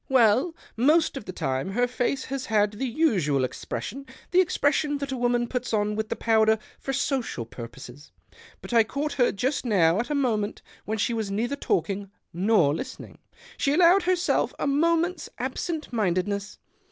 " Well, most of the time her face has had the usual expression — the expression that a woman puts on with the powder for social purposes. But I caught her just now at a moment when she was neither talking nor listening ; she allowed herself a moment's absent mindedness.